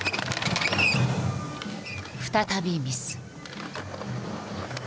再びミス。